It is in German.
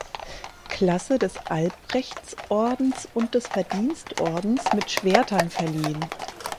Klasse des Albrechts-Ordens und des Verdienstordens mit Schwertern verliehen.